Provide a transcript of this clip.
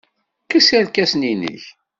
Kkes irkasen-nnek.